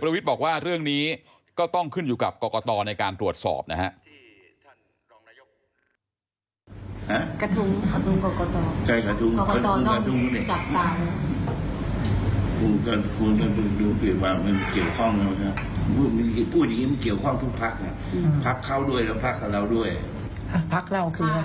พศบอกว่าเรื่องนี้ก็ต้องขึ้นอยู่กับกรกตในการตรวจสอบนะครับ